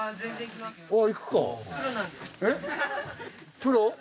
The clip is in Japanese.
プロ？